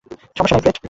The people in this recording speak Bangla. সমস্যা নেই, ফ্রেড।